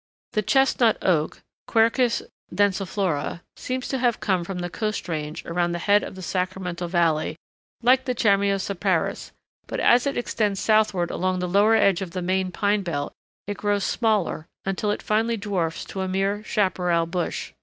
The Chestnut Oak (Quercus densiflora) seems to have come from the coast range around the head of the Sacramento Valley, like the Chamaecyparis, but as it extends southward along the lower edge of the main pine belt it grows smaller until it finally dwarfs to a mere chaparral bush.